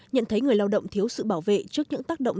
nhận thấy người lao động thiếu sự bảo vệ trước những tác động